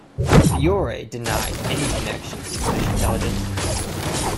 Fiore denied any connections to British intelligence.